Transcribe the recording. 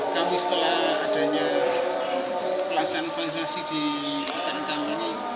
kami setelah adanya pelaksanaan vaksinasi di bukit anggara ini